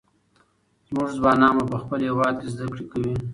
زموږ ځوانان به په خپل هېواد کې زده کړې کوي.